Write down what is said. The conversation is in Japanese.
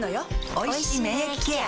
おいしい免疫ケア